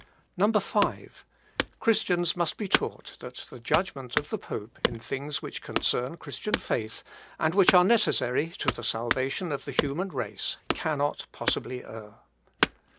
5. "Christians must be taught that the judgment of the pope in things which concern Christian faith, and which are necessary to the salvation of the human race, cannot possibly err.